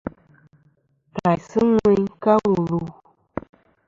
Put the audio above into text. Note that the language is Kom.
Tàysɨ ŋweyn ka wù lu.